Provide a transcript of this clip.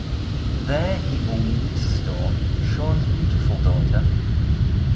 There he will meet Storm, Sean’s beautiful daughter.